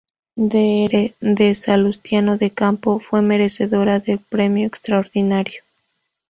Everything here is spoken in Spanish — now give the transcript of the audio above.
Dr. D. Salustiano del Campo, fue merecedora del Premio Extraordinario.